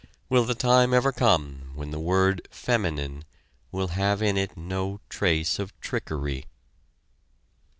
Will the time ever come when the word "feminine" will have in it no trace of trickery?